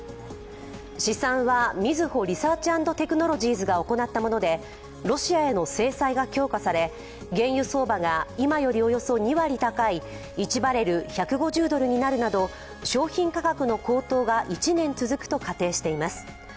試算はみずほリサーチ＆テクノロジーズが行ったものでロシアへの制裁が強化され原油相場が今よりおよそ２割高い１バレル＝１５０ドルになるなど商品価格の高騰が１年続くと仮定しています。